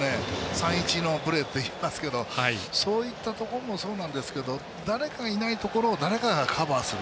３−１のプレーっていいますけどそういったところもそうなんですけど誰かいないところを誰かがカバーする。